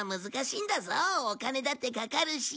お金だってかかるし。